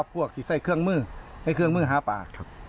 พวกที่ใส่เครื่องมือใช้เครื่องมือหาปากครับ